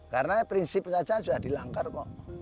karena prinsip saja sudah dilanggar kok